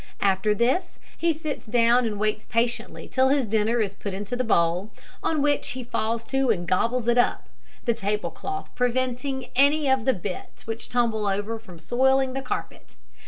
After this, he sits down and waits patiently till his dinner is put into the bowl, on which he falls to and gobbles it up, the table cloth preventing any of the bits which tumble over from soiling the carpet.